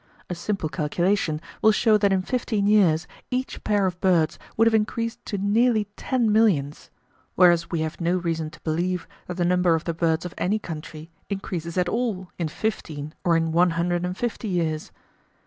A simple calculation will show that in fifteen years each pair of birds would have increased to nearly ten millions!2 whereas we have no reason to believe that the number of the birds of any country increases at all in fifteen or in one hundred and fifty years.